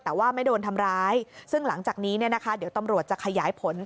แต่ว่าไม่โดนทำร้ายซึ่งหลังจากนี้เนี่ยนะคะเดี๋ยวตำรวจจะขยายผล